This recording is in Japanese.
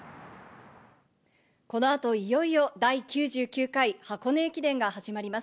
この後、いよいよ第９９回箱根駅伝が始まります。